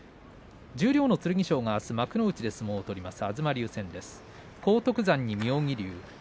十両の剣翔はあす幕内で相撲を取ります。